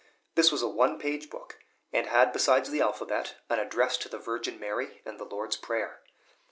This was a one page book, and had besides the alphabet, an Address to the Virgin Mary, and the Lord's Prayer.